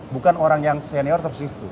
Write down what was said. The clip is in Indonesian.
bukan orang yang senior terus gitu